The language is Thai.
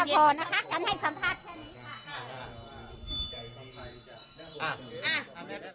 พอนะคะฉันให้สัมภาษณ์แค่นี้ค่ะ